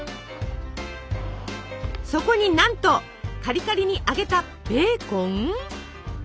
そこになんとカリカリに揚げたベーコン？